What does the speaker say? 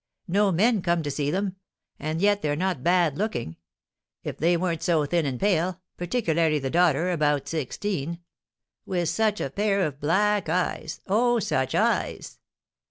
No men come to see them; and yet they're not bad looking, if they weren't so thin and pale, particularly the daughter, about sixteen, with such a pair of black eyes, oh, such eyes!"